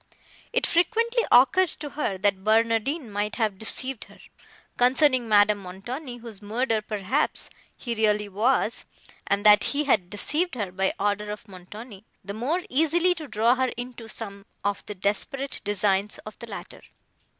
It frequently occurred to her, that Barnardine might have deceived her, concerning Madame Montoni, whose murderer, perhaps, he really was; and that he had deceived her by order of Montoni, the more easily to draw her into some of the desperate designs of the latter.